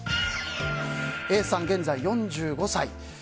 Ａさん、現在４５歳。